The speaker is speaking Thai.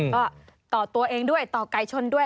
ก็ต่อตัวเองด้วยต่อไก่ชนด้วย